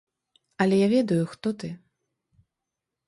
Але я ведаю, хто ты.